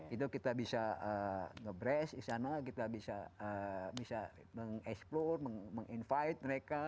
itu kita bisa nge breast di sana kita bisa mengeksplore menginvite mereka